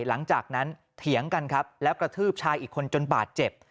หลังจากนั้นเถียงกันครับแล้วกระทืบชายอีกคนจนบาดเจ็บ